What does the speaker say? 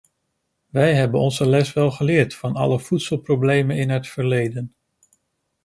Wij hebben onze les wel geleerd van alle voedselproblemen in het verleden.